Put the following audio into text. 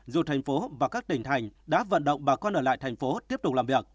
dù thành phố và các tỉnh thành đã vận động bà con ở lại thành phố tiếp tục làm việc